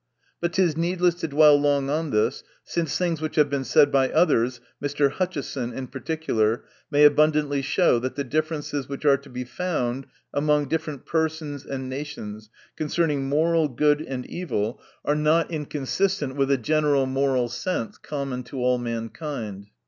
But it is needless to dwell long m this, since things which have 304 THE NATURE OF VIRTUE. been said by others (Mr. Hutcheson in particular) may abundantly show, that the differences which are to be found among different persons and nations, con cerning moral good and evil, are not inconsistent with a general moral sense,, common to all mankind.